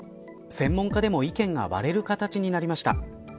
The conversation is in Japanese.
専門家でも意見が割れる形になりました。